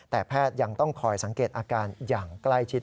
แต่แพทย์ยังต้องคอยสังเกตอาการอย่างใกล้ชิด